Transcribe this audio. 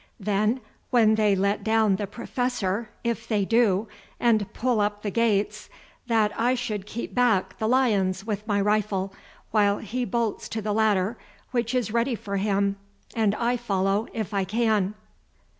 Then when they let down the Professor, if they do, and pull up the gates, that I should keep back the lions with my rifle while he bolts to the ladder which is ready for him, and I follow if I can."